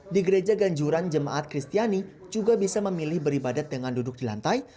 di gereja ganjuran jemaat kristiani juga bisa memilih beribadat dengan duduk di lantai